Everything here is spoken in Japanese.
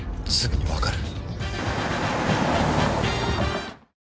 すぐに分かる。